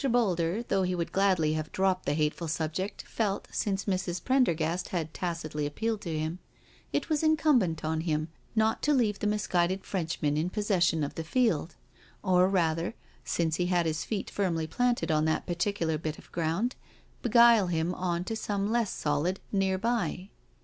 Boulder, though he would gladly have dropped the hateful subject, felt, since Mrs. Prendergast had tacitly appealed to him, it was encumbent on him not to leave THE DINNER PARTY 233 the misguided Frenchman in possession of the field. Or rather, since he had his feet firmly planted on that particular bit of ground, beguile him on to some less solid near by.